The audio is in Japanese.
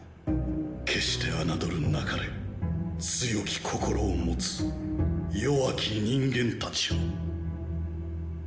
決して侮るなかれ強き心をもつ弱き人間たちを